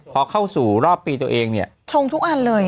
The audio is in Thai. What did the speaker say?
พอเข้าสู่รอบปีตัวเองเนี่ยชงทุกอันเลย